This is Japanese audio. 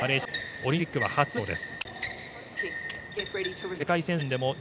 オリンピックは初出場です。